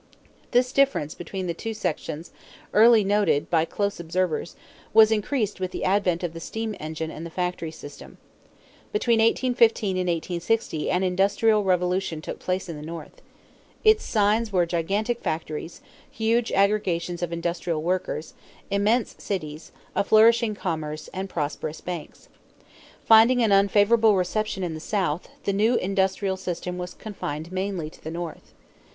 This difference between the two sections, early noted by close observers, was increased with the advent of the steam engine and the factory system. Between 1815 and 1860 an industrial revolution took place in the North. Its signs were gigantic factories, huge aggregations of industrial workers, immense cities, a flourishing commerce, and prosperous banks. Finding an unfavorable reception in the South, the new industrial system was confined mainly to the North.